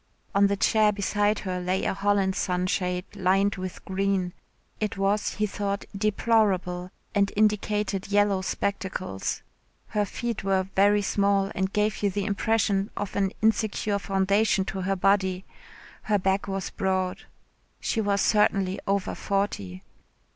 On the chair beside her lay a Holland sunshade lined with green. It was he thought, deplorable, and indicated yellow spectacles. Her feet were very small and gave you the impression of an insecure foundation to her body. Her back was broad. She was certainly over forty.